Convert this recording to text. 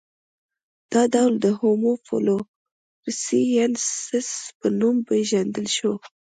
دا ډول د هومو فلورسي ینسیس په نوم پېژندل شو.